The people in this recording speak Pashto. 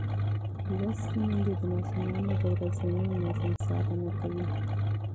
لوستې میندې د ماشومانو د ورځني نظم څارنه کوي.